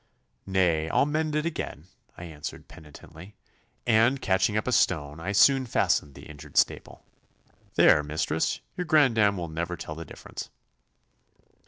'Nay, I'll mend it again,' I answered penitently, and catching up a stone I soon fastened the injured staple. 'There, mistress, your granddam will never tell the difference.